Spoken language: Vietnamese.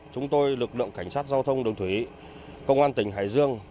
chúng tôi lực lượng cảnh sát giao thông đường thủy công an tỉnh hải dương